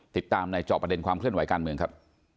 ติดตามในจอบประเด็นความเคลื่อนไหวการเมืองครับ